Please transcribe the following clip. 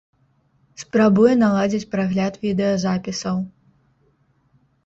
Спрабуе наладзіць прагляд відэазапісаў.